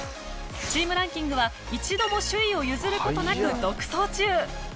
チームランキングは一度も首位を譲る事なく独走中。